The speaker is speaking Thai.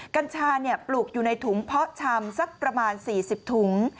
กัญชาปลูกอยู่ในถุงเพาะชำสักประมาณ๔๐ถุง